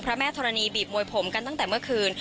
แม่ธรณีบีบมวยผมกันตั้งแต่เมื่อคืน